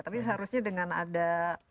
tapi seharusnya dengan ada